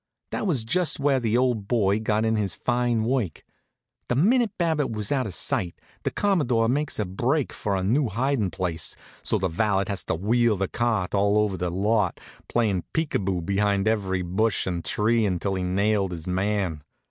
That was just where the old boy got in his fine work. The minute Babbitt was out of sight the Commodore makes a break for a new hidin' place, so the valet has to wheel that cart all over the lot, playin' peek a boo behind every bush and tree until he nailed his man.